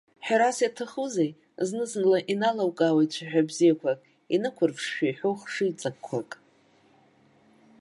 Ҳәарас иаҭахузеи, зны-зынла иналукаауеит цәаҳәа бзиақәак, инықәырԥшшәа иҳәоу хшыҩҵакқәак.